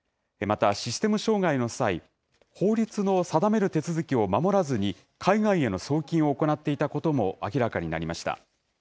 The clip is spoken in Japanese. また、システム障害の際、法律の定める手続きを守らずに、海外への送金を行っていたことも明らかになりました。